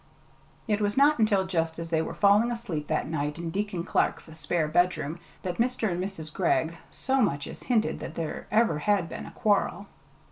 It was not until just as they were falling asleep that night in Deacon Clark's spare bedroom that Mr. and Mrs. Gregg so much as hinted that there ever had been a quarrel.